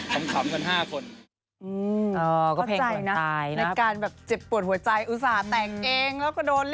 คล้ำกัน๕คน